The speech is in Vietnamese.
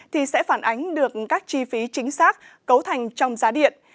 thì sẽ phản ánh được các chi phí chính xác cấu thành trong giá điện